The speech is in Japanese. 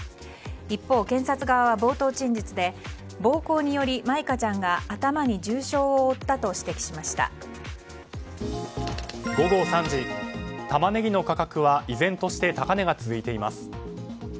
一方、検察側は冒頭陳述で暴行により舞香ちゃんが頭に重傷を負ったと午後３時タマネギの価格は依然として高値が続いています。